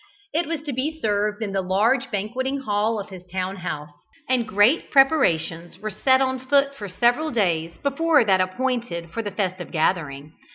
It was to be served in the large banqueting hall of his town house, and great preparations were set on foot for several days before that appointed for the festive gathering.